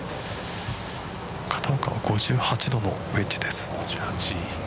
片岡は５８度のウエッジです。